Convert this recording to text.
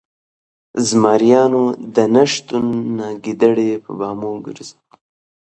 ـ زمريانو د نشتون نه ګيدړې په بامو ګرځي